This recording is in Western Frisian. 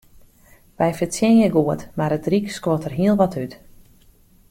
Wy fertsjinje goed, mar it ryk skuort der hiel wat út.